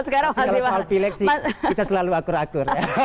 kalau soal fileksi kita selalu akur akur ya